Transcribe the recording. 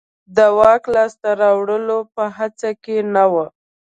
د واک لاسته راوړلو په هڅه کې نه و.